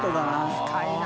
深いな。